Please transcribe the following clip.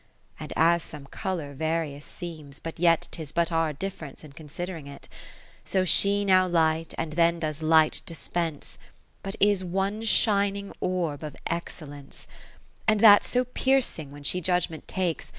And as some colour various seems, but yet 'Tis but our diff'rence in considering it : 30 So she now light, and then does light dispense, But is one shining orb of excellence : And that so piercing when she judgement takes.